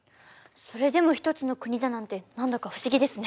それでも一つの国だなんて何だか不思議ですね。